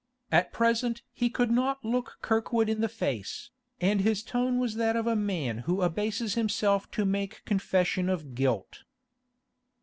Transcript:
At present he could not look Kirkwood in the face, and his tone was that of a man who abases himself to make confession of guilt.